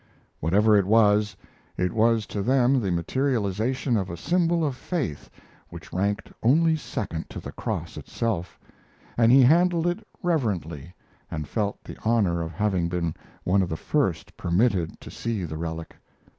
Whatever it was, it was to them the materialization of a symbol of faith which ranked only second to the cross itself, and he handled it reverently and felt the honor of having been one of the first permitted to see the relic.